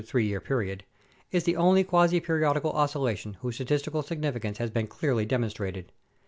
L APPENDIX A 145 2 3 year period) is the only quasi periodic oscillation whose statistical significance has been clearly demonstrated.